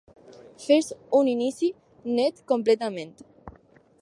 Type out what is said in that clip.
Fes un inici net completament.